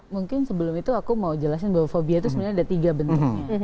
mungkin sebelum itu aku mau jelasin bahwa fobia itu sebenarnya ada tiga bentuknya